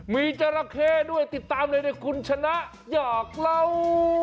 มีจราเข้ด้วยติดตามเลยเนี่ยคุณชนะอยากเล่า